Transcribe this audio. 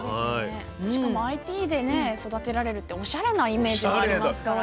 しかもＩＴでね育てられるっておしゃれなイメージありますから。